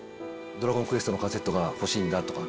『ドラゴンクエスト』のカセットが欲しいんだとか。